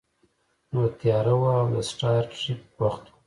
نو تیاره وه او د سټار ټریک وخت و